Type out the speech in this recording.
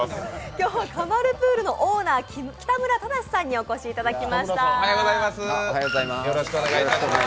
今日はカマルプールのオーナー、北村正さんにお越しいただきました。